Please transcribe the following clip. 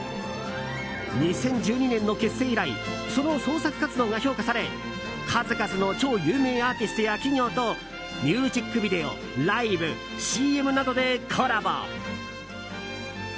２０１２年の結成以来その創作活動が評価され数々の超有名アーティストや企業とミュージックビデオ、ライブＣＭなどでコラボ。